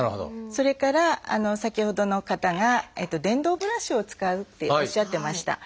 それから先ほどの方が電動ブラシを使うっておっしゃってました。